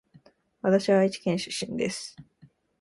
わたしは愛知県出身です